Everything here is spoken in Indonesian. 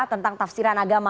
tentang tafsiran agama